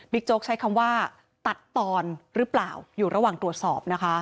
โจ๊กใช้คำว่าตัดตอนหรือเปล่าอยู่ระหว่างตรวจสอบนะคะ